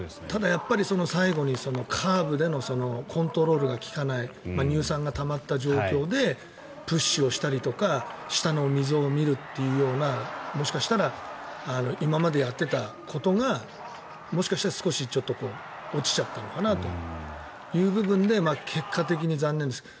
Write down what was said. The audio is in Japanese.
ただやっぱり最後にカーブでのコントロールが利かない乳酸がたまった状況でプッシュをしたりとか下の溝を見るっていうようなもしかしたら今までやってたことがもしかしたら少し落ちちゃったのかなという部分で結果的に残念です。